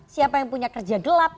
siapa yang punya kerja gelap